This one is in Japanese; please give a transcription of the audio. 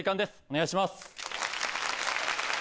お願いします。